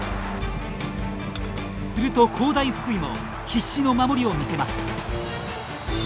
すると工大福井も必死の守りを見せます。